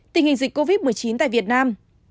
tình hình dịch covid một mươi chín tại việt nam